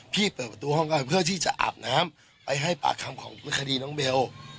เปิดประตูห้องก่อนเพื่อที่จะอาบน้ำไปให้ปากคำของคดีน้องเบล